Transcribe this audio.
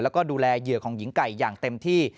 แล้วก็ดูแลเหยื่อของหญิงไก่อย่างเต็มที่